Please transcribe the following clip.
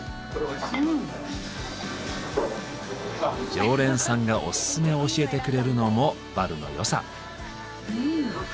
常連さんがオススメを教えてくれるのもバルの良さ。